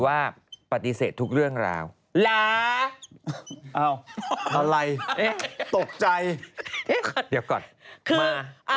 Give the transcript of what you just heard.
ว่าปฏิเสธทุกเรื่องราวเหรอเอาอะไรตกใจเดี๋ยวก่อนมา